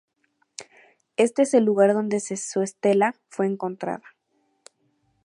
Este es el lugar donde su estela fue encontrada.